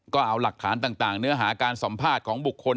ก็เอาหลักฐานต่างเนื้อหาการสัมภาษณ์ของบุคคล